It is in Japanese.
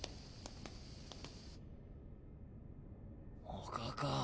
おかか。